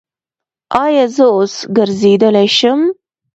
ایا زه اوس ګرځیدلی شم؟